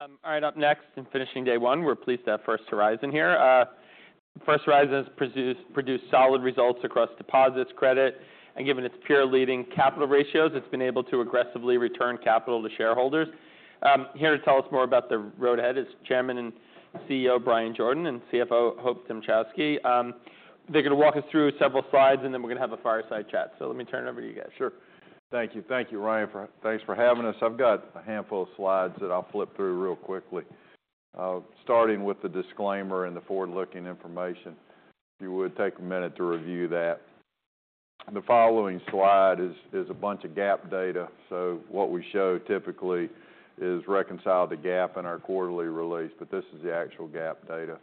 All right, up next and finishing day one, we're pleased to have First Horizon here. First Horizon has produced solid results across deposits, credit, and given its peer-leading capital ratios, it's been able to aggressively return capital to shareholders. Here to tell us more about the road ahead is Chairman and CEO Bryan Jordan and CFO Hope Dmuchowski. They're going to walk us through several slides, and then we're going to have a fireside chat, so let me turn it over to you guys. Sure. Thank you. Thank you, Ryan. Thanks for having us. I've got a handful of slides that I'll flip through real quickly, starting with the disclaimer and the forward-looking information. If you would, take a minute to review that. The following slide is a bunch of GAAP data. So what we show typically is reconcile the GAAP in our quarterly release, but this is the actual GAAP data.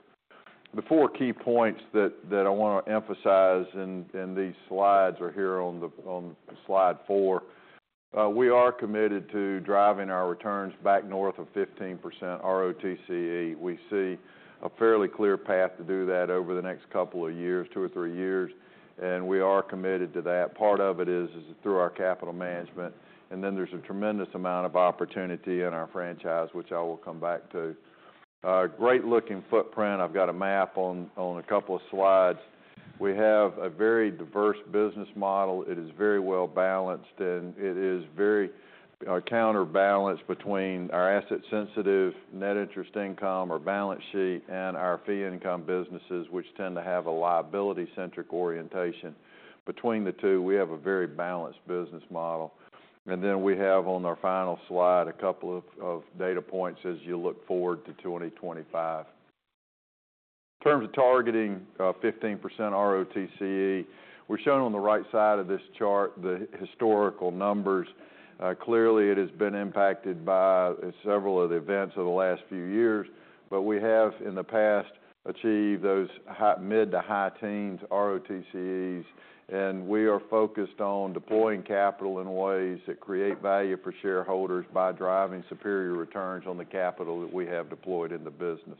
The four key points that I want to emphasize in these slides are here on slide four. We are committed to driving our returns back north of 15% ROTCE. We see a fairly clear path to do that over the next couple of years, two or three years, and we are committed to that. Part of it is through our capital management, and then there's a tremendous amount of opportunity in our franchise, which I will come back to. Great-looking footprint. I've got a map on a couple of slides. We have a very diverse business model. It is very well balanced, and it is very counterbalanced between our asset-sensitive net interest income, our balance sheet, and our fee-income businesses, which tend to have a liability-centric orientation. Between the two, we have a very balanced business model. And then we have on our final slide a couple of data points as you look forward to 2025. In terms of targeting 15% ROTCE, we're shown on the right side of this chart the historical numbers. Clearly, it has been impacted by several of the events of the last few years, but we have in the past achieved those mid to high teens ROTCEs, and we are focused on deploying capital in ways that create value for shareholders by driving superior returns on the capital that we have deployed in the business.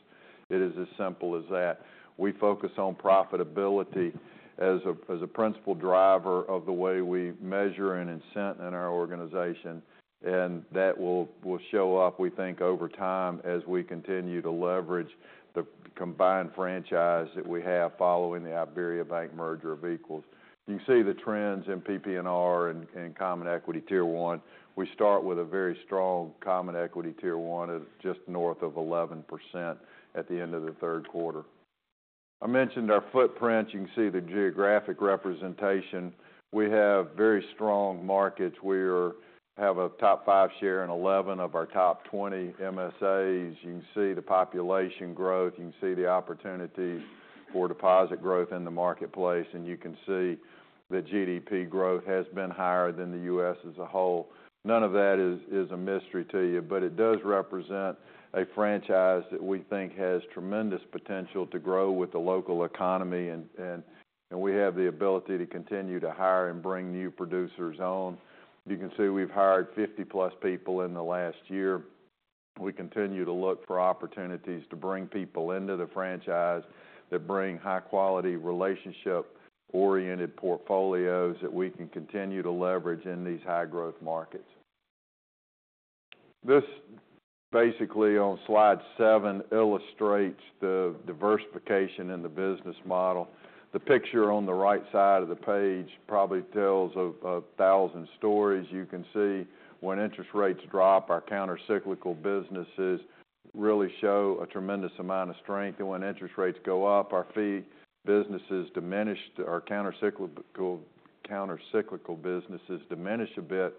It is as simple as that. We focus on profitability as a principal driver of the way we measure and incent in our organization, and that will show up, we think, over time as we continue to leverage the combined franchise that we have following the IBERIABANK merger of equals. You can see the trends in PPNR and Common Equity Tier 1. We start with a very strong Common Equity Tier 1 of just north of 11% at the end of the third quarter. I mentioned our footprint. You can see the geographic representation. We have very strong markets. We have a top five share in 11 of our top 20 MSAs. You can see the population growth. You can see the opportunity for deposit growth in the marketplace, and you can see the GDP growth has been higher than the U.S. as a whole. None of that is a mystery to you, but it does represent a franchise that we think has tremendous potential to grow with the local economy, and we have the ability to continue to hire and bring new producers on. You can see we've hired 50+ people in the last year. We continue to look for opportunities to bring people into the franchise that bring high-quality relationship-oriented portfolios that we can continue to leverage in these high-growth markets. This basically on slide seven illustrates the diversification in the business model. The picture on the right side of the page probably tells a thousand stories. You can see when interest rates drop, our countercyclical businesses really show a tremendous amount of strength, and when interest rates go up, our fee businesses diminish. Our countercyclical businesses diminish a bit,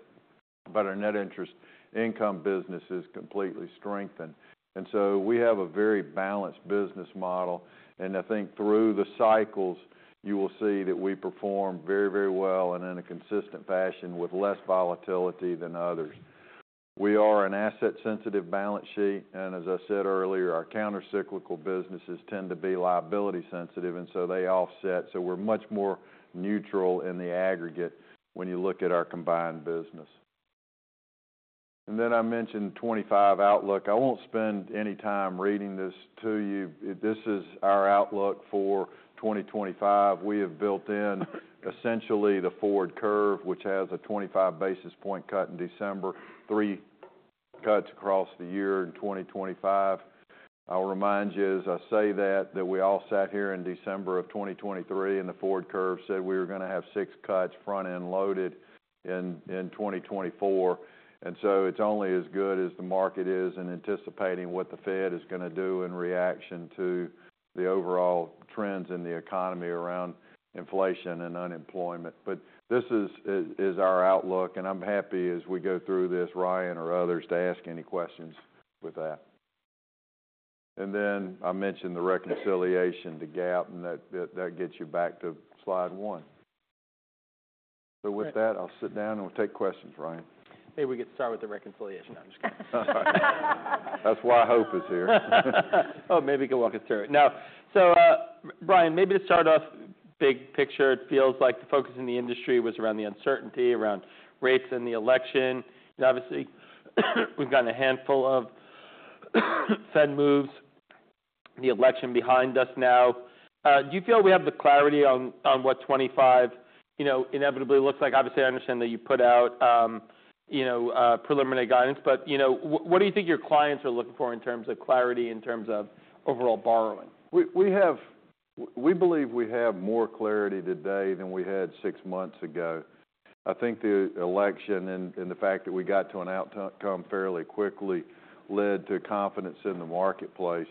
but our net interest income businesses completely strengthen. And so we have a very balanced business model, and I think through the cycles you will see that we perform very, very well and in a consistent fashion with less volatility than others. We are an asset-sensitive balance sheet, and as I said earlier, our countercyclical businesses tend to be liability-sensitive, and so they offset. So we're much more neutral in the aggregate when you look at our combined business. And then I mentioned 25 outlook. I won't spend any time reading this to you. This is our outlook for 2025. We have built in essentially the forward curve, which has a 25 basis point cut in December, three cuts across the year in 2025. I'll remind you as I say that, that we all sat here in December of 2023, and the forward curve said we were going to have six cuts front-end loaded in 2024. And so it's only as good as the market is in anticipating what the Fed is going to do in reaction to the overall trends in the economy around inflation and unemployment. But this is our outlook, and I'm happy as we go through this, Ryan, or others to ask any questions with that. And then I mentioned the reconciliation, the gap, and that gets you back to slide one. So with that, I'll sit down and we'll take questions, Ryan. Maybe we could start with the reconciliation. I'm just kidding. That's why Hope is here. Oh, maybe you could walk us through it. Now, so Bryan, maybe to start off big picture, it feels like the focus in the industry was around the uncertainty, around rates and the election. Obviously, we've gotten a handful of Fed moves, the election behind us now. Do you feel we have the clarity on what 25 inevitably looks like? Obviously, I understand that you put out preliminary guidance, but what do you think your clients are looking for in terms of clarity, in terms of overall borrowing? We believe we have more clarity today than we had six months ago. I think the election and the fact that we got to an outcome fairly quickly led to confidence in the marketplace,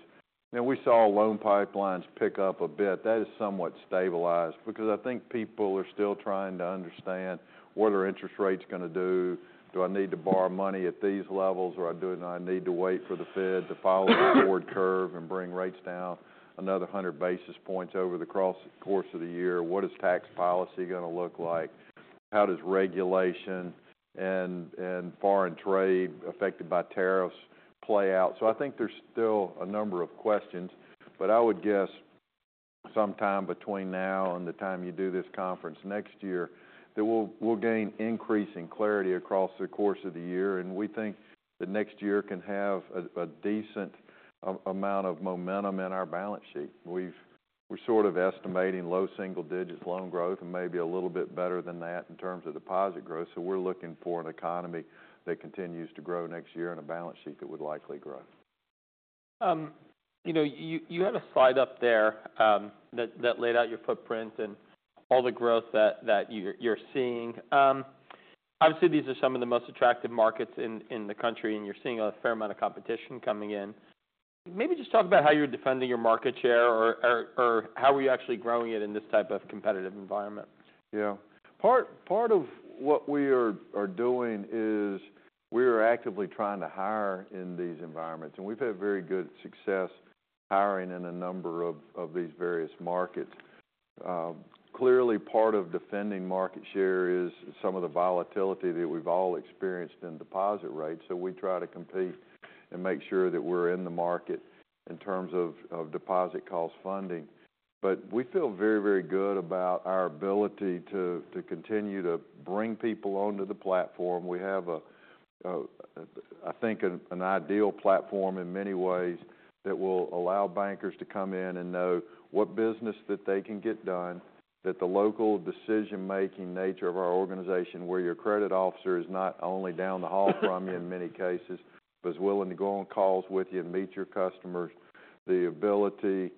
and we saw loan pipelines pick up a bit. That has somewhat stabilized because I think people are still trying to understand what are interest rates going to do. Do I need to borrow money at these levels, or do I need to wait for the Fed to follow the forward curve and bring rates down another 100 basis points over the course of the year? What is tax policy going to look like? How does regulation and foreign trade affected by tariffs play out? So I think there's still a number of questions, but I would guess sometime between now and the time you do this conference next year, that we'll gain increasing clarity across the course of the year. And we think that next year can have a decent amount of momentum in our balance sheet. We're sort of estimating low single-digit loan growth and maybe a little bit better than that in terms of deposit growth. So we're looking for an economy that continues to grow next year and a balance sheet that would likely grow. You had a slide up there that laid out your footprint and all the growth that you're seeing. Obviously, these are some of the most attractive markets in the country, and you're seeing a fair amount of competition coming in. Maybe just talk about how you're defending your market share or how are you actually growing it in this type of competitive environment? Yeah. Part of what we are doing is we are actively trying to hire in these environments, and we've had very good success hiring in a number of these various markets. Clearly, part of defending market share is some of the volatility that we've all experienced in deposit rates. So we try to compete and make sure that we're in the market in terms of deposit cost funding. But we feel very, very good about our ability to continue to bring people onto the platform. We have, I think, an ideal platform in many ways that will allow bankers to come in and know what business that they can get done, that the local decision-making nature of our organization, where your credit officer is not only down the hall from you in many cases, but is willing to go on calls with you and meet your customers, the ability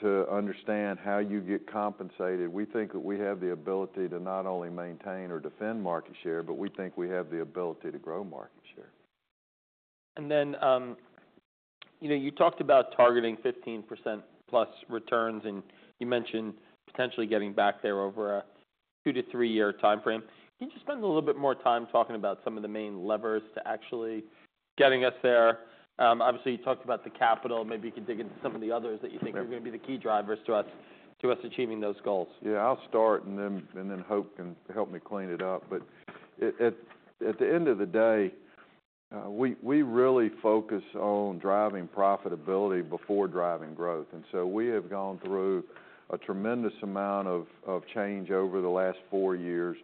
to understand how you get compensated. We think that we have the ability to not only maintain or defend market share, but we think we have the ability to grow market share. And then you talked about targeting 15%+ returns, and you mentioned potentially getting back there over a two- to three-year time frame. Can you just spend a little bit more time talking about some of the main levers to actually getting us there? Obviously, you talked about the capital. Maybe you could dig into some of the others that you think are going to be the key drivers to us achieving those goals. Yeah. I'll start, and then Hope can help me clean it up. But at the end of the day, we really focus on driving profitability before driving growth. And so we have gone through a tremendous amount of change over the last four years.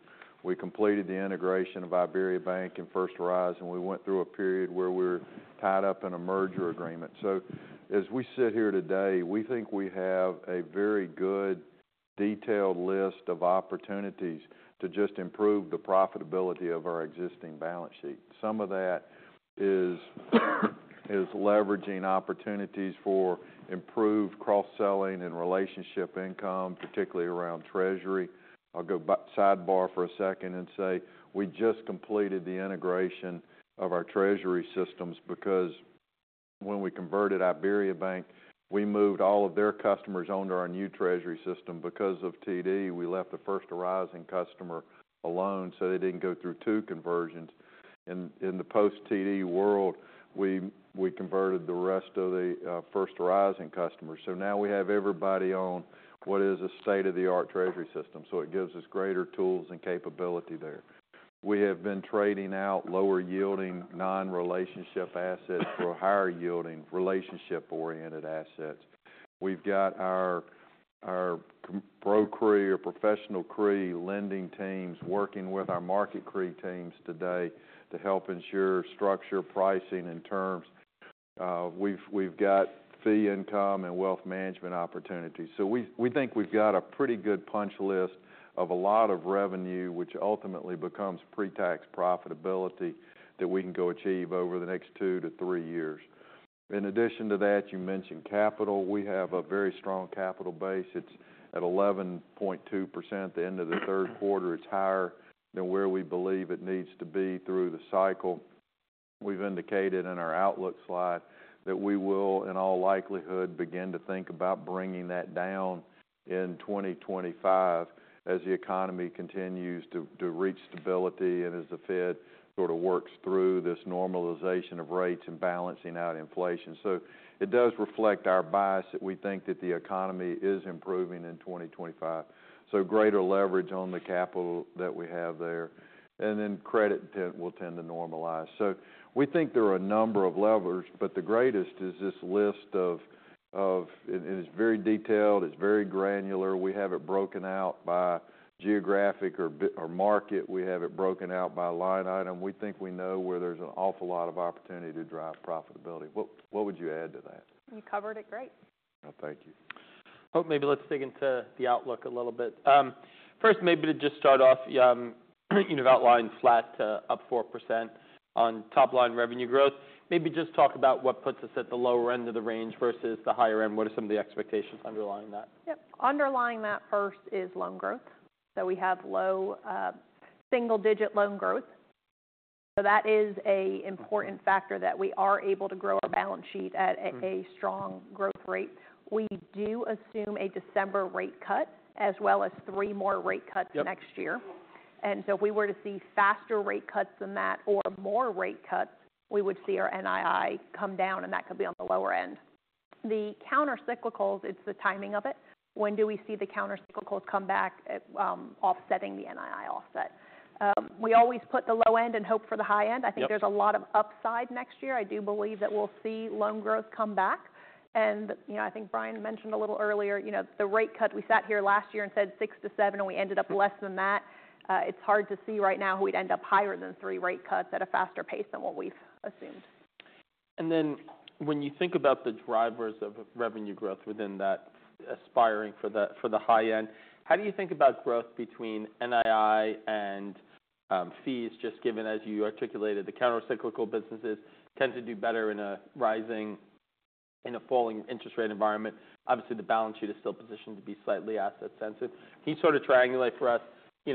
We completed the integration of IBERIABANK and First Horizon. We went through a period where we were tied up in a merger agreement. So as we sit here today, we think we have a very good, detailed list of opportunities to just improve the profitability of our existing balance sheet. Some of that is leveraging opportunities for improved cross-selling and relationship income, particularly around Treasury. I'll go sidebar for a second and say we just completed the integration of our Treasury systems because when we converted IBERIABANK, we moved all of their customers onto our new Treasury system. Because of TD, we left the First Horizon customer alone, so they didn't go through two conversions. In the post-TD world, we converted the rest of the First Horizon customers. So now we have everybody on what is a state-of-the-art Treasury system. So it gives us greater tools and capability there. We have been trading out lower-yielding non-relationship assets for higher-yielding relationship-oriented assets. We've got our pro CRE or professional CRE lending teams working with our market CRE teams today to help ensure structured pricing and terms. We've got fee-income and wealth management opportunities. So we think we've got a pretty good punch list of a lot of revenue, which ultimately becomes pre-tax profitability that we can go achieve over the next two to three years. In addition to that, you mentioned capital. We have a very strong capital base. It's at 11.2% at the end of the third quarter. It's higher than where we believe it needs to be through the cycle. We've indicated in our outlook slide that we will, in all likelihood, begin to think about bringing that down in 2025 as the economy continues to reach stability and as the Fed sort of works through this normalization of rates and balancing out inflation. So it does reflect our bias that we think that the economy is improving in 2025. So greater leverage on the capital that we have there. And then credit will tend to normalize. So we think there are a number of levers, but the greatest is this list of, and it's very detailed. It's very granular. We have it broken out by geographic or market. We have it broken out by line item. We think we know where there's an awful lot of opportunity to drive profitability. What would you add to that? You covered it great. Thank you. Hope, maybe let's dig into the outlook a little bit. First, maybe to just start off, you've outlined flat up 4% on top-line revenue growth. Maybe just talk about what puts us at the lower end of the range versus the higher end. What are some of the expectations underlying that? Yep. Underlying that first is loan growth, so we have low single-digit loan growth. That is an important factor that we are able to grow our balance sheet at a strong growth rate. We do assume a December rate cut as well as three more rate cuts next year. If we were to see faster rate cuts than that or more rate cuts, we would see our NII come down, and that could be on the lower end. The countercyclicals, it's the timing of it. When do we see the countercyclicals come back offsetting the NII offset? We always put the low end and hope for the high end. I think there's a lot of upside next year. I do believe that we'll see loan growth come back. I think Bryan mentioned a little earlier, the rate cut. We sat here last year and said six to seven, and we ended up less than that. It's hard to see right now who would end up higher than three rate cuts at a faster pace than what we've assumed. And then when you think about the drivers of revenue growth within that aspiring for the high end, how do you think about growth between NII and fees, just given as you articulated the countercyclical businesses tend to do better in a rising and a falling interest rate environment? Obviously, the balance sheet is still positioned to be slightly asset-sensitive. Can you sort of triangulate for us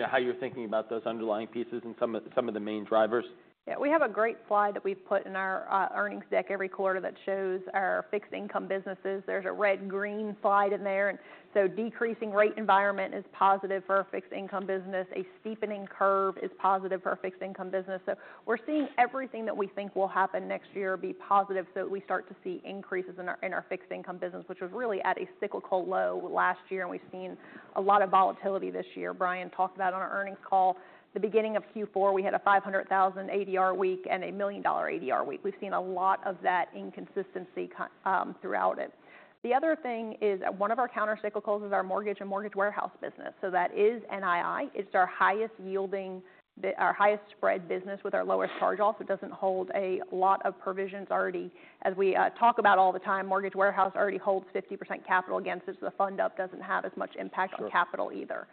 how you're thinking about those underlying pieces and some of the main drivers? Yeah. We have a great slide that we've put in our earnings deck every quarter that shows our fixed income businesses. There's a red-green slide in there, and so decreasing rate environment is positive for our fixed income business. A steepening curve is positive for our fixed income business, so we're seeing everything that we think will happen next year be positive. So we start to see increases in our fixed income business, which was really at a cyclical low last year, and we've seen a lot of volatility this year. Bryan talked about on our earnings call, the beginning of Q4, we had a $500,000 ADR week and a $1 million ADR week. We've seen a lot of that inconsistency throughout it. The other thing is one of our countercyclicals is our mortgage and mortgage warehouse business. So that is NII. It's our highest-yielding, our highest spread business with our lowest charge-off. It doesn't hold a lot of provisions already. As we talk about all the time, Mortgage Warehouse already holds 50% capital against it, so the fund-up doesn't have as much impact on capital either.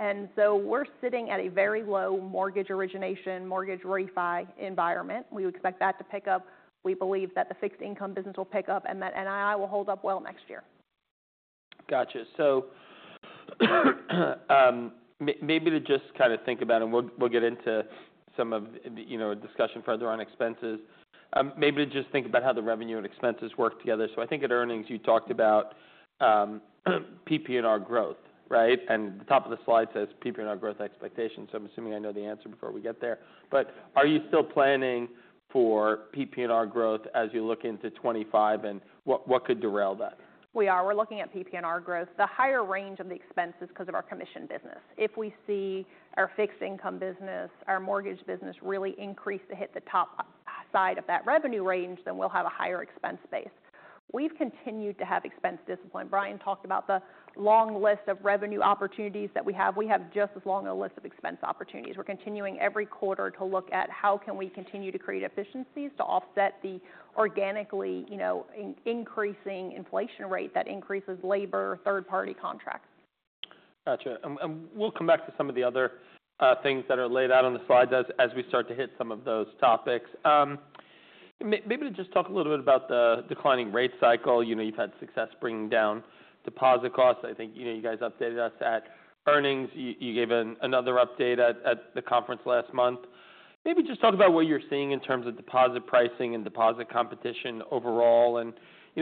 And so we're sitting at a very low mortgage origination, mortgage refi environment. We would expect that to pick up. We believe that the fixed income business will pick up and that NII will hold up well next year. Gotcha. So maybe to just kind of think about, and we'll get into some of the discussion further on expenses, maybe to just think about how the revenue and expenses work together. So I think at earnings, you talked about PPNR growth, right? And the top of the slide says PPNR growth expectations. So I'm assuming I know the answer before we get there. But are you still planning for PPNR growth as you look into 2025, and what could derail that? We are. We're looking at PPNR growth, the higher range of the expenses because of our commission business. If we see our fixed income business, our mortgage business really increase to hit the top side of that revenue range, then we'll have a higher expense base. We've continued to have expense discipline. Bryan talked about the long list of revenue opportunities that we have. We have just as long a list of expense opportunities. We're continuing every quarter to look at how can we continue to create efficiencies to offset the organically increasing inflation rate that increases labor, third-party contracts. Gotcha, and we'll come back to some of the other things that are laid out on the slide as we start to hit some of those topics. Maybe to just talk a little bit about the declining rate cycle. You've had success bringing down deposit costs. I think you guys updated us at earnings. You gave another update at the conference last month. Maybe just talk about what you're seeing in terms of deposit pricing and deposit competition overall, and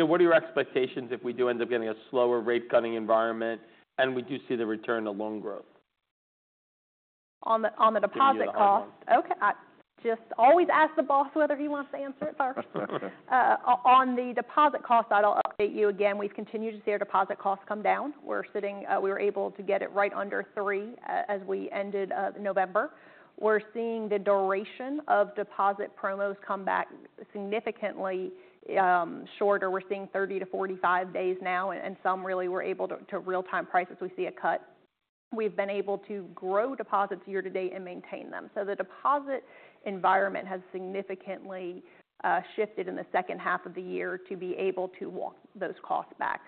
what are your expectations if we do end up getting a slower rate-cutting environment and we do see the return to loan growth? On the deposit cost. On the cost. Okay. Just always ask the boss whether he wants to answer it, sir. On the deposit cost side, I'll update you again. We've continued to see our deposit costs come down. We were able to get it right under three as we ended November. We're seeing the duration of deposit promos come back significantly shorter. We're seeing 30 days to 45 days now, and some really were able to real-time price as we see a cut. We've been able to grow deposits year to date and maintain them. So the deposit environment has significantly shifted in the second half of the year to be able to walk those costs back.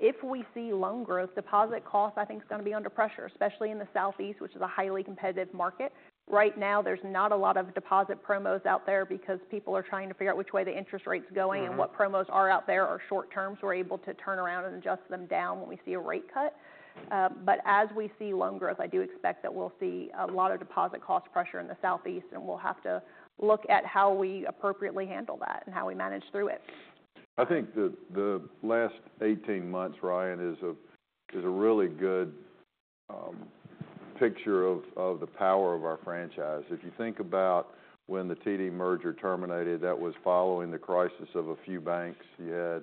If we see loan growth, deposit costs, I think, is going to be under pressure, especially in the Southeast, which is a highly competitive market. Right now, there's not a lot of deposit promos out there because people are trying to figure out which way the interest rate's going, and what promos are out there are short-term. So we're able to turn around and adjust them down when we see a rate cut. But as we see loan growth, I do expect that we'll see a lot of deposit cost pressure in the Southeast, and we'll have to look at how we appropriately handle that and how we manage through it. I think the last 18 months, Ryan, is a really good picture of the power of our franchise. If you think about when the TD merger terminated, that was following the crisis of a few banks. You had a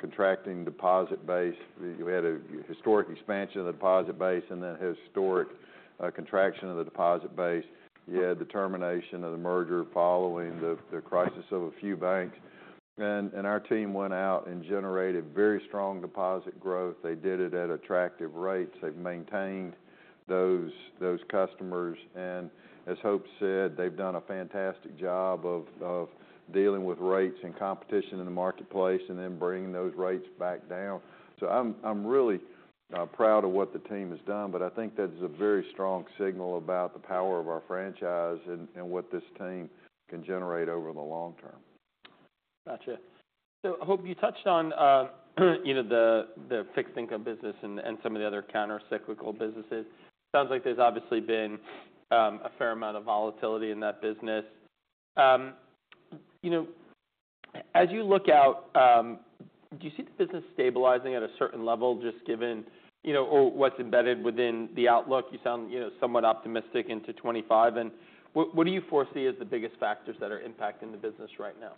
contracting deposit base. We had a historic expansion of the deposit base and then historic contraction of the deposit base. You had the termination of the merger following the crisis of a few banks. And our team went out and generated very strong deposit growth. They did it at attractive rates. They've maintained those customers. And as Hope said, they've done a fantastic job of dealing with rates and competition in the marketplace and then bringing those rates back down. So I'm really proud of what the team has done, but I think that's a very strong signal about the power of our franchise and what this team can generate over the long term. Gotcha. So Hope, you touched on the fixed income business and some of the other countercyclical businesses. It sounds like there's obviously been a fair amount of volatility in that business. As you look out, do you see the business stabilizing at a certain level just given what's embedded within the outlook? You sound somewhat optimistic into 2025. And what do you foresee as the biggest factors that are impacting the business right now?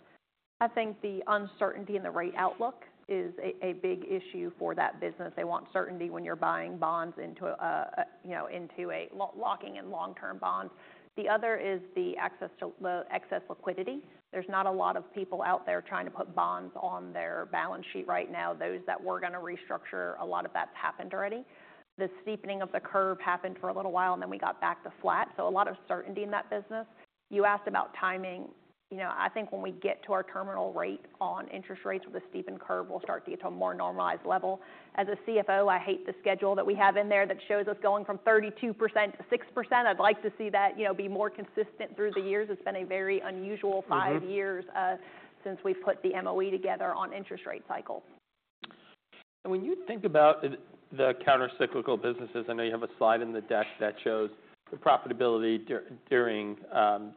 I think the uncertainty in the rate outlook is a big issue for that business. They want certainty when you're buying bonds, locking in long-term bonds. The other is the excess liquidity. There's not a lot of people out there trying to put bonds on their balance sheet right now. Those that were going to restructure, a lot of that's happened already. The steepening of the curve happened for a little while, and then we got back to flat. So, lack of certainty in that business. You asked about timing. I think when we get to our terminal rate on interest rates with a steepened curve, we'll start to get to a more normalized level. As a CFO, I hate the schedule that we have in there that shows us going from 32% to 6%. I'd like to see that be more consistent through the years. It's been a very unusual five years since we've put the MOE together on interest rate cycles. And when you think about the countercyclical businesses, I know you have a slide in the deck that shows the profitability during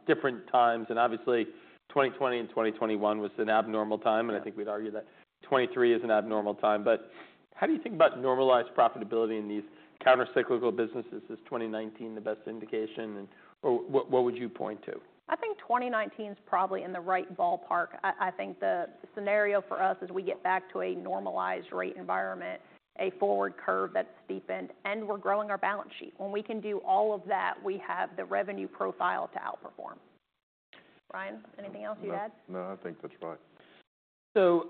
different times. And obviously, 2020 and 2021 was an abnormal time, and I think we'd argue that 2023 is an abnormal time. But how do you think about normalized profitability in these countercyclical businesses? Is 2019 the best indication, or what would you point to? I think 2019 is probably in the right ballpark. I think the scenario for us is we get back to a normalized rate environment, a forward curve that's steepened, and we're growing our balance sheet. When we can do all of that, we have the revenue profile to outperform. Bryan, anything else you'd add? No, I think that's right. So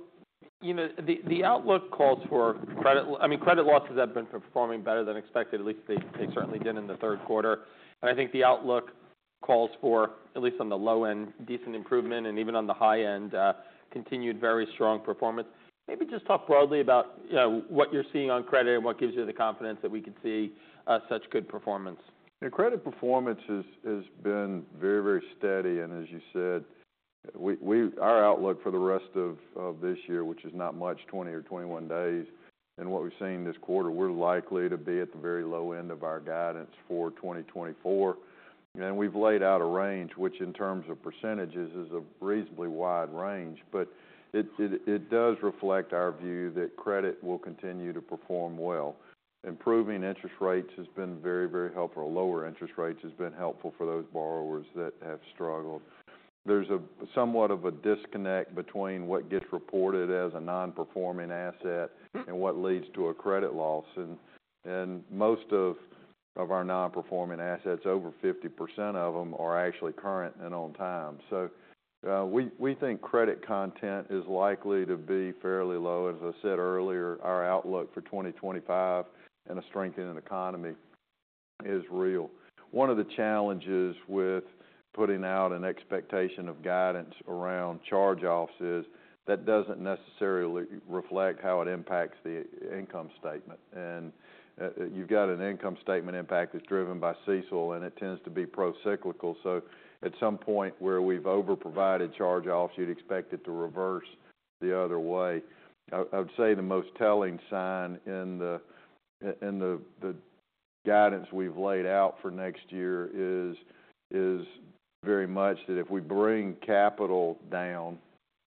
the outlook calls for credit losses have been performing better than expected. At least they certainly did in the third quarter. And I think the outlook calls for, at least on the low end, decent improvement, and even on the high end, continued very strong performance. Maybe just talk broadly about what you're seeing on credit and what gives you the confidence that we could see such good performance. The credit performance has been very, very steady, and as you said, our outlook for the rest of this year, which is not much, 20 days or 21 days, and what we've seen this quarter, we're likely to be at the very low end of our guidance for 2024, and we've laid out a range, which in terms of percentages is a reasonably wide range, but it does reflect our view that credit will continue to perform well. Improving interest rates has been very, very helpful. Lower interest rates have been helpful for those borrowers that have struggled. There's somewhat of a disconnect between what gets reported as a non-performing asset and what leads to a credit loss. And most of our non-performing assets, over 50% of them, are actually current and on time, so we think credit costs are likely to be fairly low. As I said earlier, our outlook for 2025 and a strengthening economy is real. One of the challenges with putting out an expectation of guidance around charge-offs is that it doesn't necessarily reflect how it impacts the income statement, and you've got an income statement impact that's driven by CECL, and it tends to be procyclical, so at some point where we've overprovided charge-offs, you'd expect it to reverse the other way. I would say the most telling sign in the guidance we've laid out for next year is very much that if we bring capital down,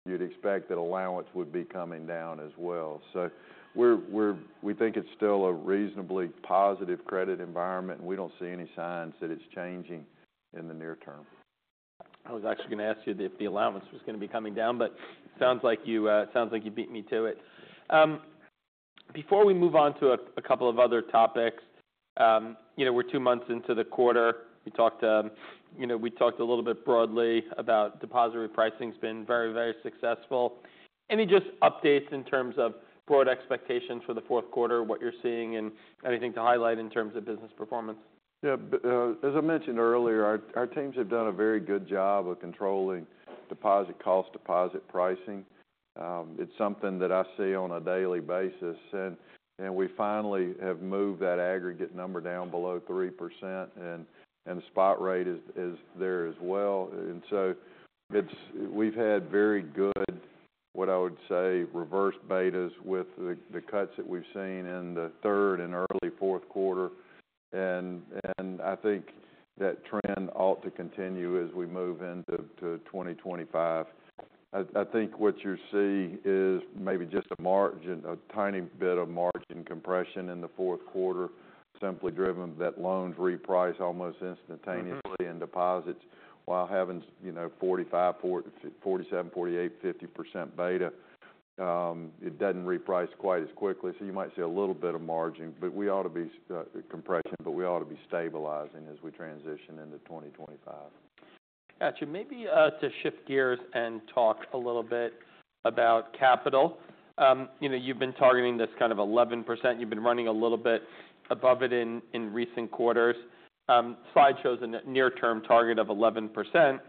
you'd expect that allowance would be coming down as well, so we think it's still a reasonably positive credit environment, and we don't see any signs that it's changing in the near term. I was actually going to ask you if the allowance was going to be coming down, but it sounds like you beat me to it. Before we move on to a couple of other topics, we're two months into the quarter. We talked a little bit broadly about depository pricing has been very, very successful. Any just updates in terms of broad expectations for the fourth quarter, what you're seeing, and anything to highlight in terms of business performance? Yeah. As I mentioned earlier, our teams have done a very good job of controlling deposit costs, deposit pricing. It's something that I see on a daily basis. And we finally have moved that aggregate number down below 3%, and the spot rate is there as well. And so we've had very good, what I would say, reverse betas with the cuts that we've seen in the third and early fourth quarter. And I think that trend ought to continue as we move into 2025. I think what you see is maybe just a margin, a tiny bit of margin compression in the fourth quarter, simply driven that loans reprice almost instantaneously in deposits while having 45%, 47%, 48%, 50% beta. It doesn't reprice quite as quickly. So you might see a little bit of margin, but we ought to be compressing, but we ought to be stabilizing as we transition into 2025. Gotcha. Maybe to shift gears and talk a little bit about capital. You've been targeting this kind of 11%. You've been running a little bit above it in recent quarters. Slide shows a near-term target of 11%,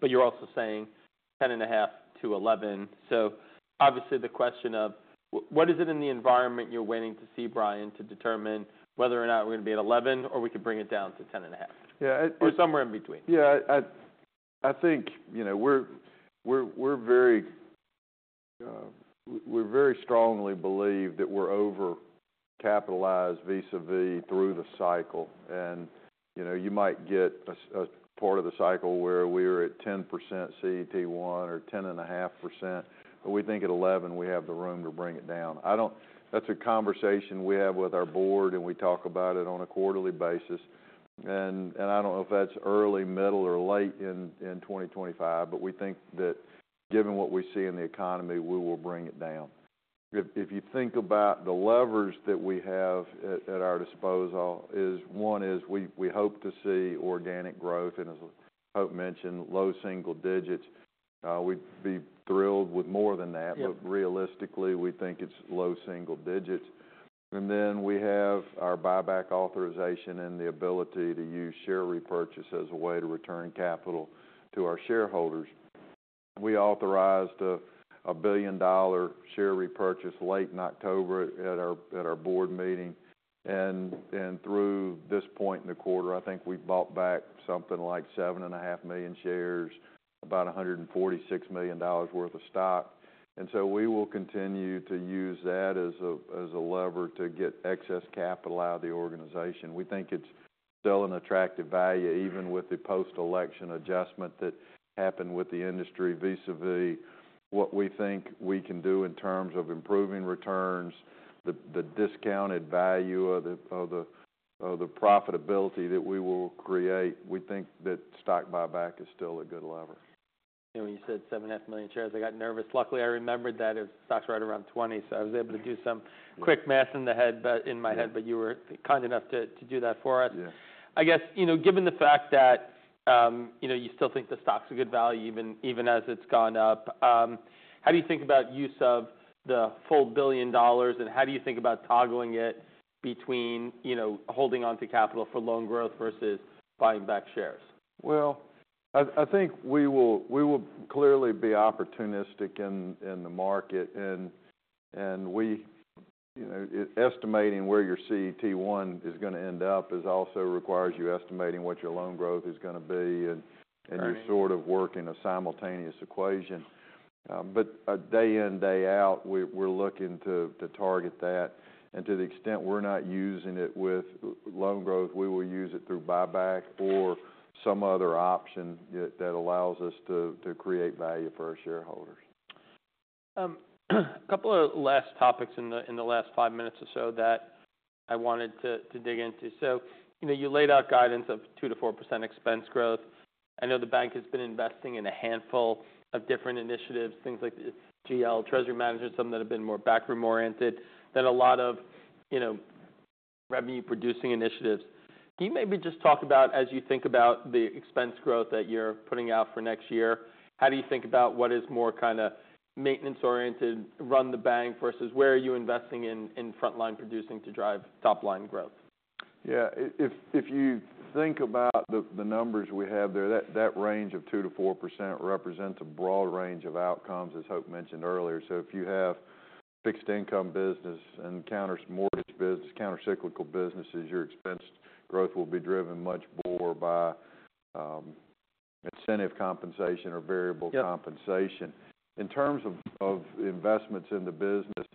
but you're also saying 10.5%-11%. So obviously, the question of what is it in the environment you're waiting to see, Bryan, to determine whether or not we're going to be at 11% or we could bring it down to 10.5% or somewhere in between? Yeah. I think we're very strongly believe that we're over-capitalized vis-à-vis through the cycle. And you might get a part of the cycle where we're at 10% CET1 or 10.5%, but we think at 11% we have the room to bring it down. That's a conversation we have with our board, and we talk about it on a quarterly basis. And I don't know if that's early, middle, or late in 2025, but we think that given what we see in the economy, we will bring it down. If you think about the levers that we have at our disposal, one is we hope to see organic growth. And as Hope mentioned, low single digits. We'd be thrilled with more than that, but realistically, we think it's low single digits. Then we have our buyback authorization and the ability to use share repurchase as a way to return capital to our shareholders. We authorized a $1 billion share repurchase late in October at our board meeting. And through this point in the quarter, I think we bought back something like 7.5 million shares, about $146 million worth of stock. And so we will continue to use that as a lever to get excess capital out of the organization. We think it's still an attractive value even with the post-election adjustment that happened with the industry vis-à-vis what we think we can do in terms of improving returns, the discounted value of the profitability that we will create. We think that stock buyback is still a good lever. When you said 7.5 million shares, I got nervous. Luckily, I remembered that it was stocks right around $20, so I was able to do some quick math in my head, but you were kind enough to do that for us. I guess given the fact that you still think the stock's a good value even as it's gone up, how do you think about use of the full $1 billion, and how do you think about toggling it between holding onto capital for loan growth versus buying back shares? Well, I think we will clearly be opportunistic in the market. And estimating where your CET1 is going to end up also requires you estimating what your loan growth is going to be, and you're sort of working a simultaneous equation. But day in, day out, we're looking to target that. And to the extent we're not using it with loan growth, we will use it through buyback or some other option that allows us to create value for our shareholders. A couple of last topics in the last five minutes or so that I wanted to dig into. So you laid out guidance of 2%-4% expense growth. I know the bank has been investing in a handful of different initiatives, things like GL, Treasury Management, some that have been more backroom-oriented than a lot of revenue-producing initiatives. Can you maybe just talk about, as you think about the expense growth that you're putting out for next year, how do you think about what is more kind of maintenance-oriented, run the bank versus where are you investing in frontline producing to drive topline growth? Yeah. If you think about the numbers we have there, that range of 2%-4% represents a broad range of outcomes, as Hope mentioned earlier. So if you have a fixed income business and countercyclical mortgage business, countercyclical businesses, your expense growth will be driven much more by incentive compensation or variable compensation. In terms of investments in the business,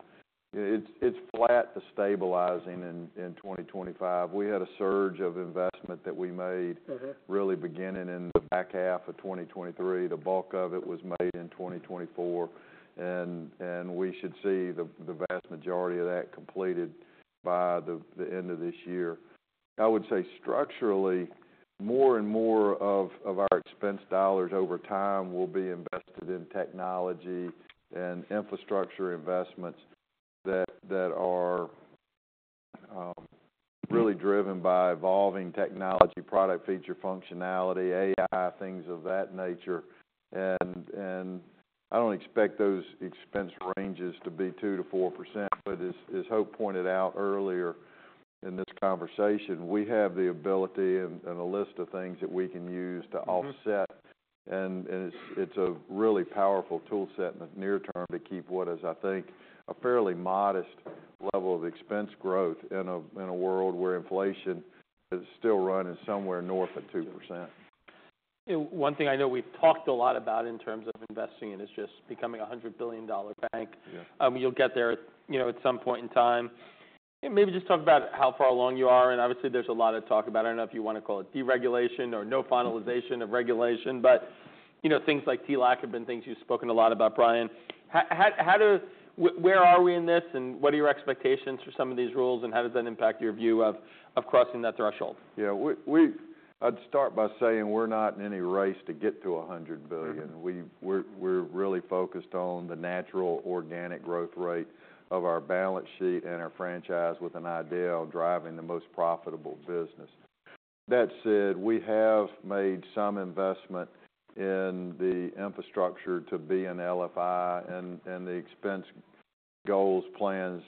it's flat to stabilizing in 2025. We had a surge of investment that we made really beginning in the back half of 2023. The bulk of it was made in 2024, and we should see the vast majority of that completed by the end of this year. I would say structurally, more and more of our expense dollars over time will be invested in technology and infrastructure investments that are really driven by evolving technology, product feature functionality, AI, things of that nature. And I don't expect those expense ranges to be 2%-4%, but as Hope pointed out earlier in this conversation, we have the ability and a list of things that we can use to offset. And it's a really powerful toolset in the near term to keep what is, I think, a fairly modest level of expense growth in a world where inflation is still running somewhere north of 2%. One thing I know we've talked a lot about in terms of investing in is just becoming a $100 billion bank. You'll get there at some point in time. Maybe just talk about how far along you are. And obviously, there's a lot of talk about, I don't know if you want to call it deregulation or no finalization of regulation, but things like TLAC have been things you've spoken a lot about, Bryan. Where are we in this, and what are your expectations for some of these rules, and how does that impact your view of crossing that threshold? Yeah. I'd start by saying we're not in any race to get to $100 billion. We're really focused on the natural organic growth rate of our balance sheet and our franchise with an idea of driving the most profitable business. That said, we have made some investment in the infrastructure to be an LFI, and the expense goals, plans,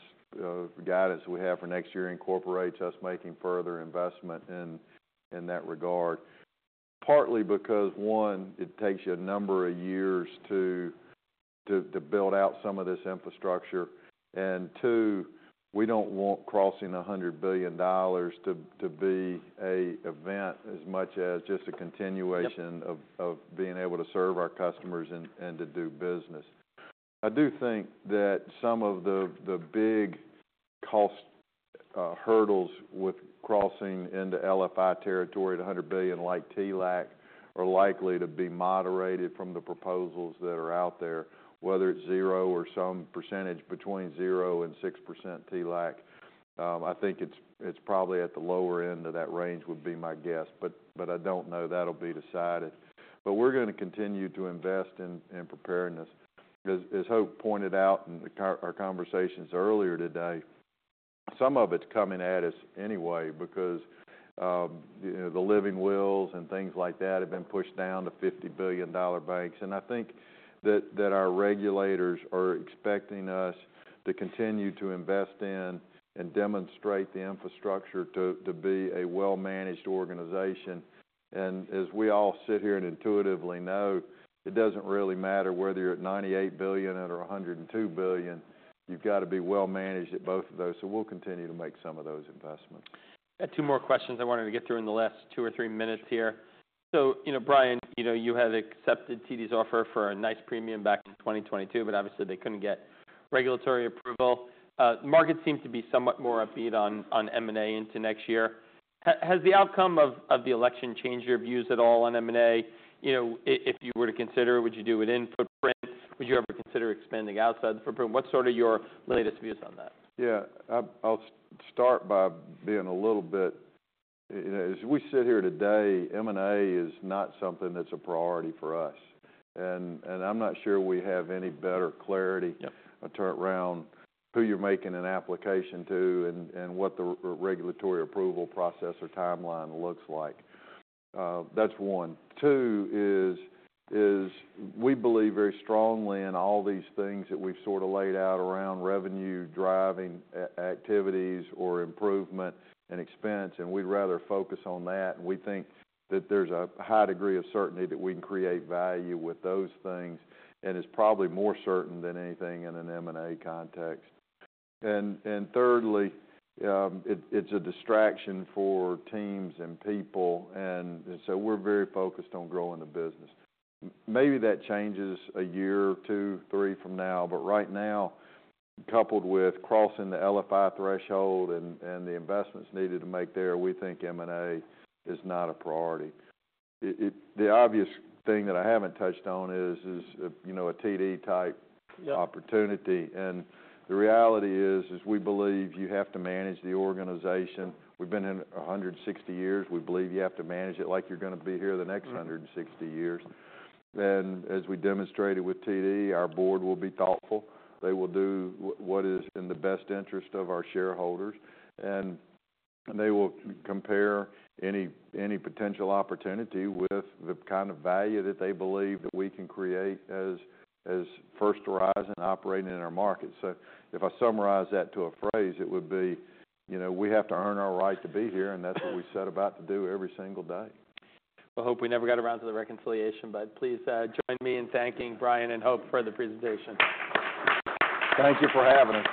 guidance we have for next year incorporates us making further investment in that regard, partly because, one, it takes you a number of years to build out some of this infrastructure. And two, we don't want crossing $100 billion to be an event as much as just a continuation of being able to serve our customers and to do business. I do think that some of the big cost hurdles with crossing into LFI territory at $100 billion, like TLAC, are likely to be moderated from the proposals that are out there, whether it's 0% or some percentage between 0% and 6% TLAC. I think it's probably at the lower end of that range would be my guess, but I don't know. That'll be decided, but we're going to continue to invest in preparedness. As Hope pointed out in our conversations earlier today, some of it's coming at us anyway because the living wills and things like that have been pushed down to $50 billion banks, and I think that our regulators are expecting us to continue to invest in and demonstrate the infrastructure to be a well-managed organization, and as we all sit here and intuitively know, it doesn't really matter whether you're at $98 billion or $102 billion. You've got to be well-managed at both of those. So we'll continue to make some of those investments. I had two more questions I wanted to get through in the last two or three minutes here. So Bryan, you had accepted TD's offer for a nice premium back in 2022, but obviously, they couldn't get regulatory approval. The market seems to be somewhat more upbeat on M&A into next year. Has the outcome of the election changed your views at all on M&A? If you were to consider, would you do it in footprint? Would you ever consider expanding outside the footprint? What's sort of your latest views on that? Yeah. I'll start by being a little bit as we sit here today, M&A is not something that's a priority for us, and I'm not sure we have any better clarity to turn around who you're making an application to and what the regulatory approval process or timeline looks like. That's one. Two is we believe very strongly in all these things that we've sort of laid out around revenue-driving activities or improvement and expense, and we'd rather focus on that, and we think that there's a high degree of certainty that we can create value with those things, and it's probably more certain than anything in an M&A context, and thirdly, it's a distraction for teams and people, and so we're very focused on growing the business. Maybe that changes a year, two, three from now, but right now, coupled with crossing the LFI threshold and the investments needed to make there, we think M&A is not a priority. The obvious thing that I haven't touched on is a TD-type opportunity. And the reality is we believe you have to manage the organization. We've been here 160 years. We believe you have to manage it like you're going to be here the next 160 years. And as we demonstrated with TD, our board will be thoughtful. They will do what is in the best interest of our shareholders, and they will compare any potential opportunity with the kind of value that they believe that we can create as First Horizon operating in our market. So if I summarize that to a phrase, it would be we have to earn our right to be here, and that's what we set about to do every single day. Hope, we never got around to the reconciliation, but please join me in thanking Bryan and Hope for the presentation. Thank you for having us.